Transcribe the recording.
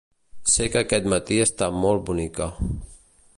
"Sé que aquest matí està molt bonica."